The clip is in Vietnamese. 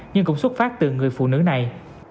nhưng cũng xuất phát từ người phụ nữ này